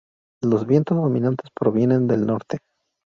Los vientos dominantes provienen del norte.